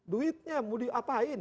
duitnya mau diapain